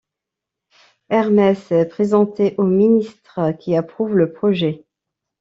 Hermès est présenté au ministre qui approuve le projet.